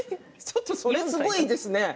それは、すごいですね。